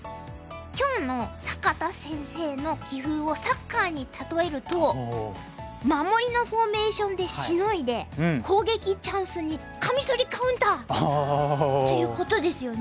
今日の坂田先生の棋風をサッカーに例えると守りのフォーメーションでしのいで攻撃チャンスにカミソリカウンター！ということですよね。